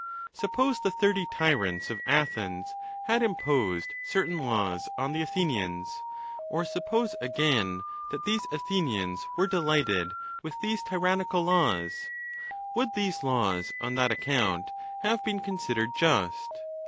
Suppose the thirty tyrants of Athens had imposed certain laws on the Athenians? or, suppose again that these Athenians were delighted with these tyrannical Jaws, would these laws on that account have been considered just?